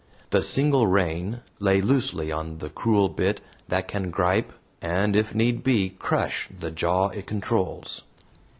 The single rein lay loosely on the cruel bit that can gripe, and if need be, crush the jaw it controls.